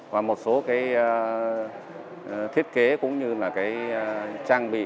và một số cái thiết kế cũng như là cái trang bị